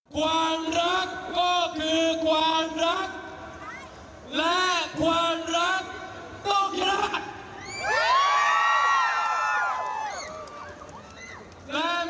ความรักก็คือความรักและความรักต้องรัก